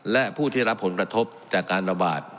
และผู้ที่รับผลกระทบจากการระบาด